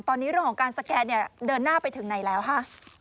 ตอนนี้เรื่องของการสแกนเนี่ยเดินหน้าไปถึงไหนแล้วค่ะ